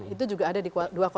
itu juga ada di dua ratus lima